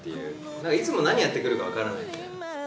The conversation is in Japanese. なんかいつも何やってくるか分からないみたいな。